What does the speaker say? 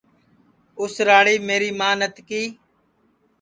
اُس راڑیم میری ماں نتکی